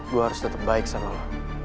gue harus tetap baik sama lo